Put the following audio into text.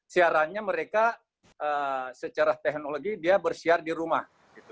siarannya mereka secara teknologi dia bersiar di rumah